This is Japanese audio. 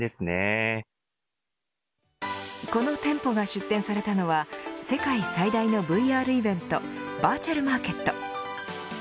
この店舗が出展されたのは世界最大のＶＲイベントバーチャルマーケット。